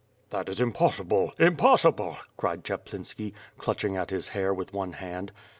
"That is impossible, impossible," cried Chaplinski, clutch ing at his hair with one hand.